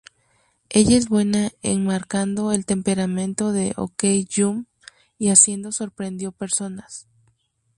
Ella es buena en marcando el temperamento de Ok Geum y haciendo sorprendió personas.